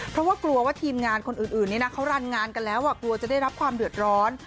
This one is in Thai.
เพราะว่ากลัวว่าทีมงานคนอื่นนี้นะเขารันงานกันแล้วกลัวจะได้รับความเดือดร้อน